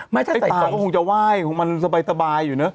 มั้ยทำ